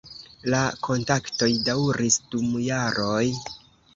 La kontaktoj daŭris dum jaroj.